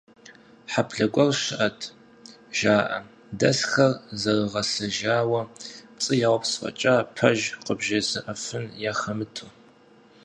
Хьэблэ гуэр щыӀэт, жаӀэ, дэсхэр зэрыгъэсэжауэ, пцӀы яупс фӀэкӀа, пэж къыбжезыӀэфын яхэмыту.